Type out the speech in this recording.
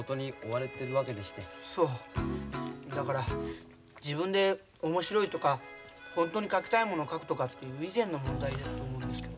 だから自分で面白いとか本当に描きたいもの描くとかっていう以前の問題だと思うんですけど。